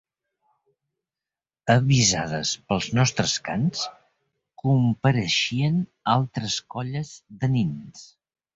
Avisades pels nostres cants, compareixien altres colles de nins